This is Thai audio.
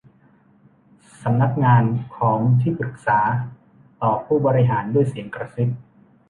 'สำนักงานของที่ปรึกษา' ตอบผู้บริหารด้วยเสียงกระซิบ